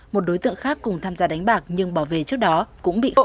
một đối tượng khác cùng tham gia đánh bạc nhưng bảo vệ trước đó cũng bị khởi tố